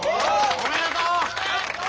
おめでとう！